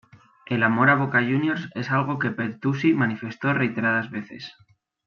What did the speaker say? El amor a Boca Juniors es algo que Pertusi manifestó reiteradas veces.